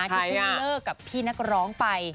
ที่เพิ่งเลิกกับพี่นักร้องไป